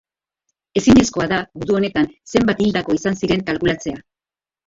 Ezinezkoa da gudu honetan zenbat hildako izan ziren kalkulatzea.